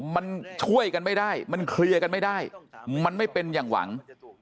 มันช่วยกันไม่ได้มันเคลียร์กันไม่ได้มันไม่เป็นอย่างหวัง